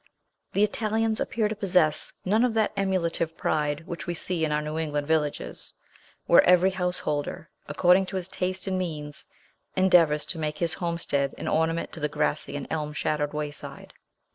The Italians appear to possess none of that emulative pride which we see in our New England villages, where every householder, according to his taste and means, endeavors to make his homestead an ornament to the grassy and elm shadowed wayside.